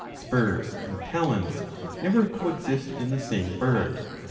Spurs and talons never co exist in the same bird.